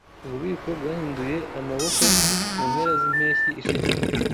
Ububiko bwahinduye amaboko mu mpera zimpeshyi ishize.